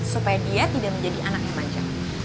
supaya dia tidak menjadi anak yang mancam